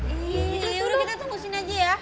eh yaudah kita tunggu sini aja ya